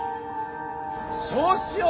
そうしよう！